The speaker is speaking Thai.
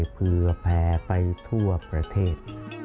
เผื่อแผ่ไปทั่วประเทศ